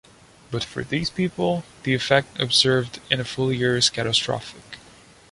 But, for these people, the effect observed in a full year is catastrophic.